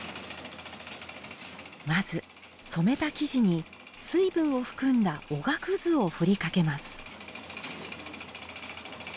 まず染めた生地に水分を含んだおがくずを振りかけます